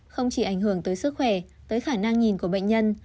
không chỉ ảnh hưởng tới sức khỏe tới khả năng nhìn của bệnh nhân